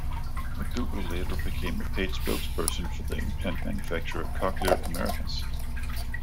McDougald later became a paid spokesperson for the implant manufacturer, Cochlear Americas.